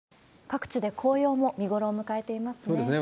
各地で紅葉も見頃を迎えていますね。